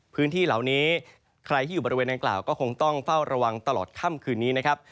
พื้นที่เหล่านี้ใครที่อยู่บริเวณนางกล่าวก็คงต้องเฝ้าระวังตลอดค่ำคืนนี้นะครับ